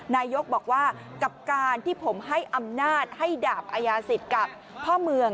นายกบอกว่ากับการที่ผมให้อำนาจให้ดาบอายาศิษย์กับพ่อเมือง